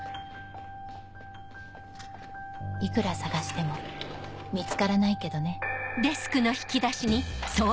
いくら捜しても見つからないけどね